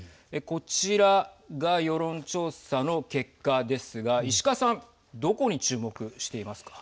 こちらが世論調査の結果ですが石川さんどこに注目していますか。